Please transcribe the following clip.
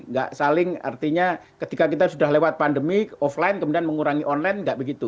nggak saling artinya ketika kita sudah lewat pandemi offline kemudian mengurangi online nggak begitu